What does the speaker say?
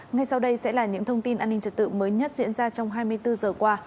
ngay sau đây sẽ là những thông tin an ninh trật tự mới nhất diễn ra trong hai mươi bốn giờ qua